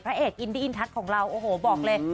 พระเอกอินดีอินทักของเราโอ้โหบอกเลย